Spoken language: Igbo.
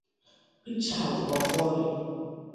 Richard Ofori